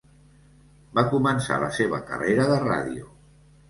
Va començar la seva carrera de ràdio.